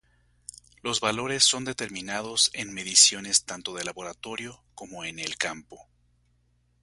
Los valores son determinados en mediciones tanto de laboratorio como en el campo.